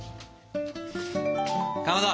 かまど。